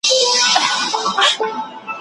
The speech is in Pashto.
ماشومان له اور او ګاز څخه لرې وساتئ.